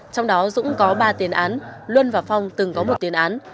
trong đó dũng có ba tiền án luân và phong từng có một tiền án